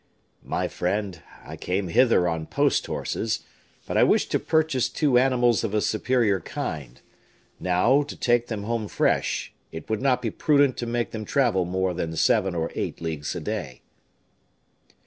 "My friend, I came hither on post horses; but I wish to purchase two animals of a superior kind. Now, to take them home fresh, it would not be prudent to make them travel more than seven or eight leagues a day."